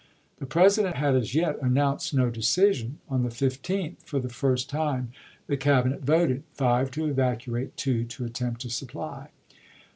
The President had as yet announced no decision. On the 15th, for the first time, the Cab inet voted — five to evacuate, two to attempt to supply.